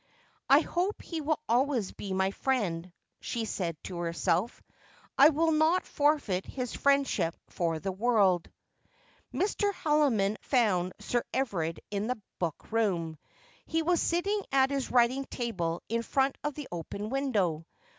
' I hope he will always be my friend,' she said to herself ;' I would not forfeit his friendship for the world.' Mr. Haldimond found Sir Everard in his book room. He was sitting at his writing table in front of the open window.